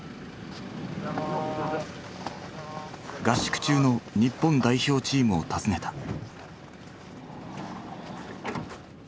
合宿中の日本代表チームを訪ねた。